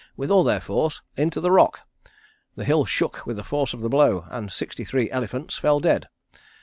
with all their force, into the rock. The hill shook with the force of the blow and the sixty three elephants fell dead.